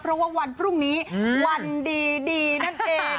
เพราะว่าวันพรุ่งนี้วันดีนั่นเอง